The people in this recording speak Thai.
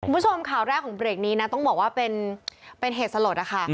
คุณผู้ชมข่าวแรกของเบรกนี้นะต้องบอกว่าเป็นเหตุสลดนะคะ